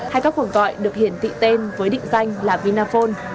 hay các cuộc gọi được hiển thị tên với định danh là vinaphone